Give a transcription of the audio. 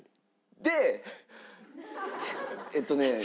でえっとね。